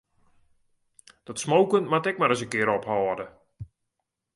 Dat smoken moat ek mar ris in kear ophâlde.